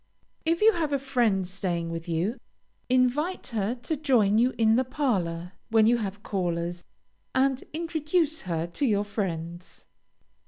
If you have a friend staying with you, invite her to join you in the parlor when you have callers, and introduce her to your friends.